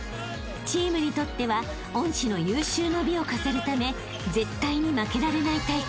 ［チームにとっては恩師の有終の美を飾るため絶対に負けられない大会］